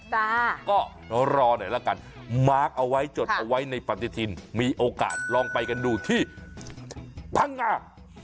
จ้าก็รอหน่อยละกันมาร์คเอาไว้จดเอาไว้ในปฏิทินมีโอกาสลองไปกันดูที่พังงา